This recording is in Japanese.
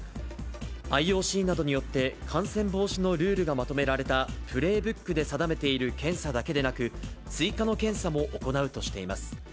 ＩＯＣなどによって感染防止のルールがまとめられたプレーブックで定めている検査だけでなく、追加の検査も行うとしています。